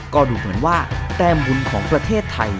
ก็ดูเหมือนว่าแต้มบุญของประเทศไทย